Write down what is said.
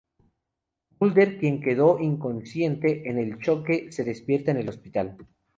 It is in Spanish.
Mulder, quien quedó inconsciente en el choque, se despierta en el hospital.